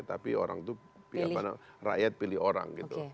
tapi orang itu rakyat pilih orang gitu